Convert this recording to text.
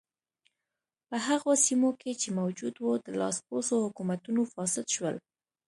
په هغو سیمو کې چې موجود و د لاسپوڅو حکومتونو فاسد شول.